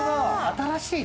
新しい。